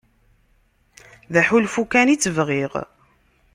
D aḥulfu kan i tt-bɣiɣ.